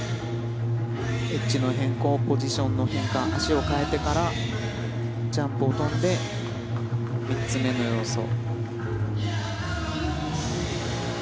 エッジの変更ポジションの変換足を換えてからジャンプを跳んで３つ目の要素。